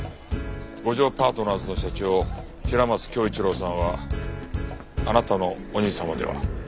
五条パートナーズの社長平松恭一郎さんはあなたのお兄様では？